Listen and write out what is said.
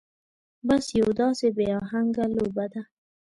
بس يو داسې بې اهنګه لوبه ده.